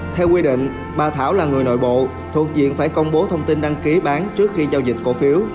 theo quy định bà thảo là người nội bộ thuộc diện phải công bố thông tin đăng ký bán trước khi giao dịch cổ phiếu